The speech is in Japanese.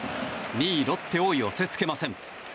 ２位ロッテを寄せ付けません。